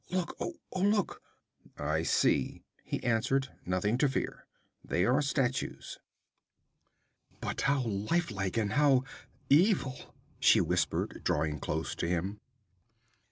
'Look! Oh, look!' 'I see,' he answered. 'Nothing to fear. They are statues.' 'But how life like and how evil!' she whispered, drawing close to him.